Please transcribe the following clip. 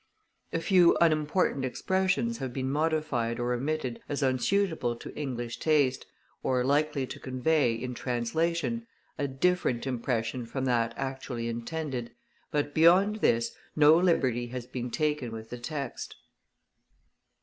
A few unimportant expressions have been modified or omitted as unsuitable to English taste, or likely to convey, in translation, a different impression from that actually intended, but beyond this no liberty has been taken with the text.